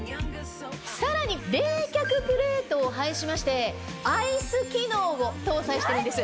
さらに冷却プレートを配しまして。を搭載してるんです。